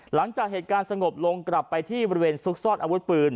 หลังจากเหตุการณ์สงบลงกลับไปที่บริเวณซุกซ่อนอาวุธปืน